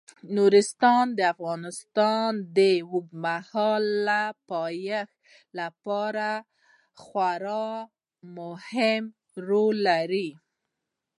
نورستان د افغانستان د اوږدمهاله پایښت لپاره خورا مهم رول لري.